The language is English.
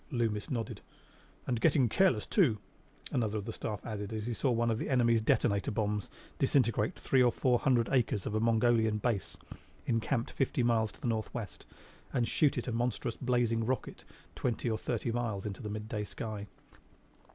Loomis nodded. "And getting careless, too," another of the Staff added as he saw one of the enemy's detonator bombs disintegrate three or four hundred acres of a Mongolian base encampment fifty miles to the northwest and shoot it a monstrous blazing rocket twenty or thirty miles into the midday sky.